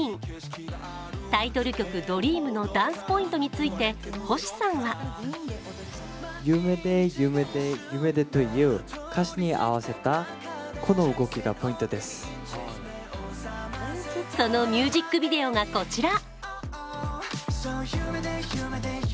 タイトル曲「ＤＲＥＡＭ」のダンスポイントについて、ＨＯＳＨＩさんはそのミュージックビデオがこちら。